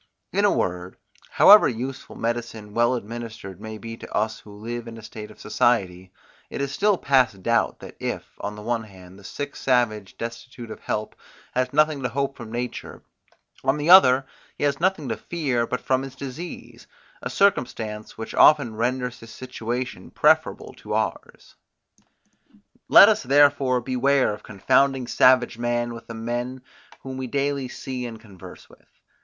In a word, however useful medicine well administered may be to us who live in a state of society, it is still past doubt, that if, on the one hand, the sick savage, destitute of help, has nothing to hope from nature, on the other, he has nothing to fear but from his disease; a circumstance, which oftens renders his situation preferable to ours. Let us therefore beware of confounding savage man with the men, whom we daily see and converse with.